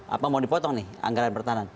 apa mau dipotong nih anggaran pertahanan